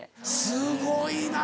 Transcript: すごいな！